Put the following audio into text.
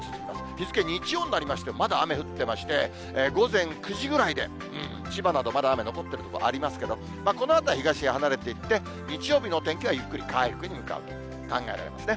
日付、日曜になりましても、まだ雨降ってまして、午前９時ぐらいで、千葉などまだ雨残ってる所ありますけど、このあと、東へ離れていって、日曜日のお天気はゆっくり回復に向かうと考えられますね。